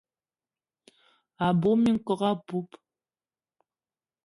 A bug minkok apoup